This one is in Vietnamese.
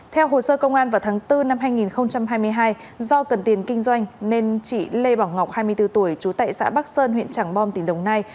theo hồ sơ công an vào tháng bốn năm hai nghìn hai mươi hai do cần tiền kinh doanh nên chị lê bảo ngọc hai mươi bốn tuổi chú tại xã bắc sơn huyện trảng bom tỉnh đồng nai